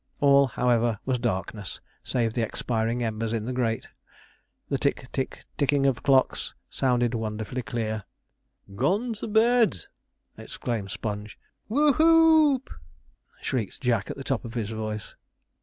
All, however, was darkness, save the expiring embers in the grate. The tick, tick, tick, ticking of the clocks sounded wonderfully clear. 'Gone to bed!' exclaimed Sponge. 'WHO HOOP!' shrieked Jack, at the top of his voice.